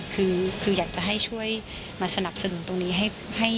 คืออยากจะให้ช่วยมาสนับสนุนตรงนี้ให้